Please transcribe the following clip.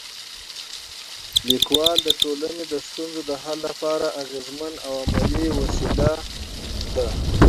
لیکوالی د ټولنې د ستونزو د حل لپاره اغېزمن او عملي وسیله ده.